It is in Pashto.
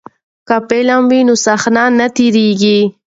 که فلم وي نو صحنه نه تیریږي.